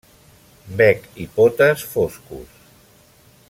Bec i potes foscos.